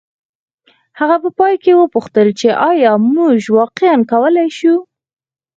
هغه په پای کې وپوښتل چې ایا موږ واقعیا کولی شو